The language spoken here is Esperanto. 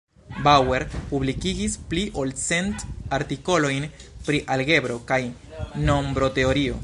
Bauer publikigis pli ol cent artikolojn pri algebro kaj nombroteorio.